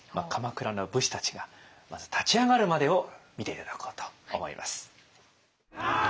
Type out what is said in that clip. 鎌倉の武士たちがまず立ち上がるまでを見て頂こうと思います。